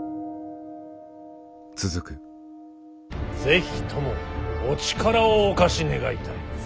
是非ともお力をお貸し願いたい。